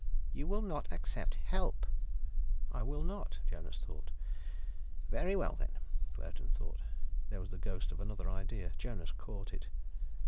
"You will not accept help " "I will not," Jonas thought. "Very well, then," Claerten thought. There was the ghost of another idea; Jonas caught it.